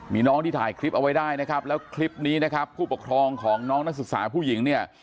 มีน้องที่ถ่ายคลิปเอาไว้ได้นะครับแล้วคลิปนี้นะครับผู้ปกครองของน้องนักศึกษาผู้หญิงเนี่ย